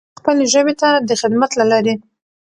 خپلې ژبې ته د خدمت له لارې.